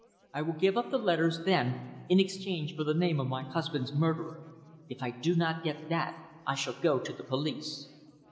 I will give up the letters then in exchange for the name of my husband's murderer. If I do not get that, I shall go to the police!"